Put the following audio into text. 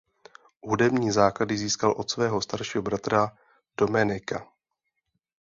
Hudební základy získal od svého staršího bratra Domenica.